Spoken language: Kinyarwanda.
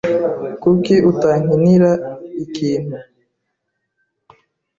Kuki utankinira ikintu?